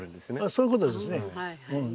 そういうことですね。